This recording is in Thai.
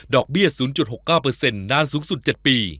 เบี้ย๐๖๙นานสูงสุด๗ปี